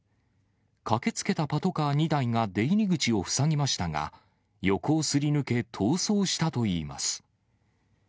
駆けつけたパトカー２台が出入り口を塞ぎましたが、横をすり抜け、逃走したといいます。